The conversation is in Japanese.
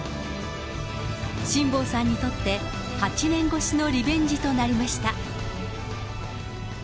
辛坊さんにとって、８年越しのリベンジとなりました。